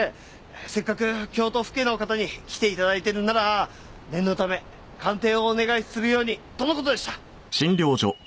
せっかく京都府警の方に来て頂いてるなら念のため鑑定をお願いするようにとの事でした。